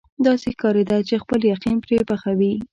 داسې ښکارېده چې خپل یقین پرې پخوي.